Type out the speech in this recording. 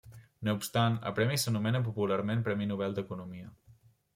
No obstant el premi s'anomena popularment Premi Nobel d'Economia.